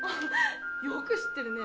よく知ってるね！